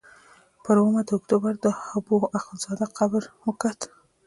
پر اوومه د اکتوبر د حبو اخندزاده قبر وکت.